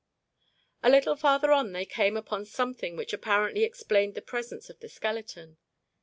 A little farther on they came upon something which apparently explained the presence of the skeleton.